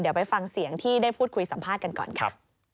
เดี๋ยวไปฟังเสียงที่ได้พูดคุยสัมภาษณ์กันก่อนค่ะ